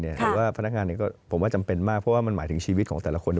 แต่ว่าพนักงานผมว่าจำเป็นมากเพราะว่ามันหมายถึงชีวิตของแต่ละคน